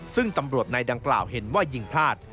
ซึ่งตำรวจนายดังกล่าวเห็นว่ายิงพลาด